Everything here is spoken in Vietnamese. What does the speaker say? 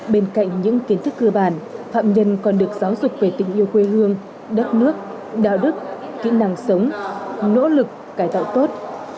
bên cạnh những kiến thức cơ bản phạm nhân còn được giáo dục về tình yêu quê hương đất nước đạo đức kỹ năng sống nỗ lực cải tạo tốt